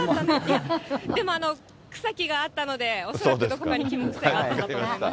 でも、草木があったので、恐らくキンモクセイがあったと思います。